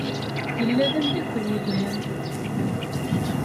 Yella d ameddakel yelhan.